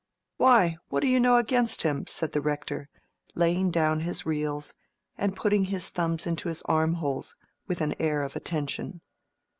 "Why? what do you know against him?" said the Rector laying down his reels, and putting his thumbs into his armholes with an air of attention.